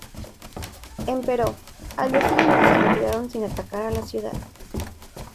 Empero, al día siguiente se retiraron sin atacar a la ciudad.